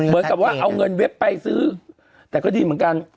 เหมือนกับว่าเอาเงินเว็บไปซื้อแต่ก็ดีเหมือนกัน